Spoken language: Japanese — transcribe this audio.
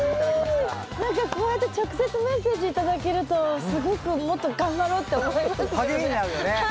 何かこうやって直接メッセージ頂けるとすごくもっと頑張ろうって思いますよね。